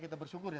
kita bersyukur ya